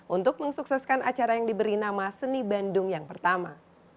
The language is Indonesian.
untuk mensukseskan acara yang diberi nama seni bandung yang pertama